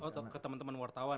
atau ke teman teman wartawan